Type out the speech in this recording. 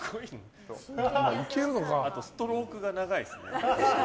あとストロークが長いですね。